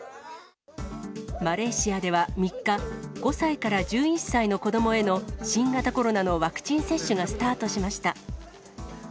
マレーシアでは３日、５歳から１１歳の子どもへの新型コロナのワクチン接種がスタート